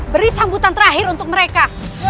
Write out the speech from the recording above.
beri sambutan terakhir untuk mereka